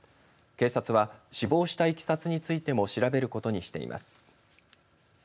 警察は死亡したいきさつについても調べることにしています。